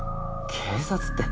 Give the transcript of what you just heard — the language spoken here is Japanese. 警察って。